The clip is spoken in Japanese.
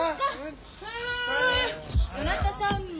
うっどなたさんも！